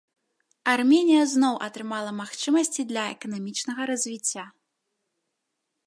Арменія зноў атрымала магчымасці для эканамічнага развіцця.